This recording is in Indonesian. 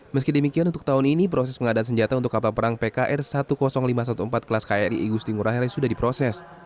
meski demikian untuk tahun ini proses pengadaan senjata untuk kapal perang pkr sepuluh ribu lima ratus empat belas kelas kri igu sitinggurahere sudah diproses